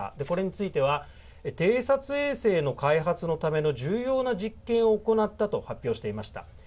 これについては偵察衛星の開発のための重要な実験を行ったと発表していました。